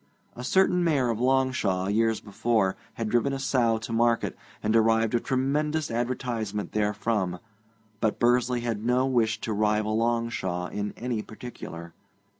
A certain Mayor of Longshaw, years before, had driven a sow to market, and derived a tremendous advertisement therefrom, but Bursley had no wish to rival Longshaw in any particular.